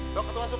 sok atau masuk